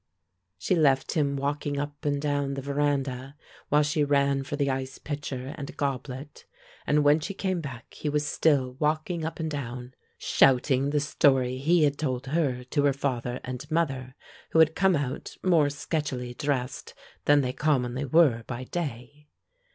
She left him walking up and down the veranda, while she ran for the ice pitcher and a goblet, and when she came back he was still walking up and down, shouting the story he had told her to her father and mother, who had come out more sketchily dressed than they commonly were by day.